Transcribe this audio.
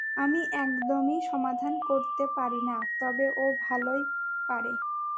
আমি একদমই সমাধান করতে পারি না, তবে ও ভালোই পারে।